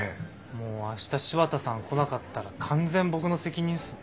もう明日柴田さん来なかったら完全僕の責任すね。